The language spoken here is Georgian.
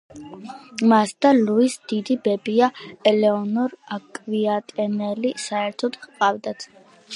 მას და ლუის დიდი ბებია, ელეონორ აკვიტანიელი საერთო ჰყავდათ.